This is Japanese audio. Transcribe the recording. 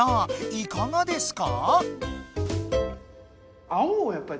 いかがですか？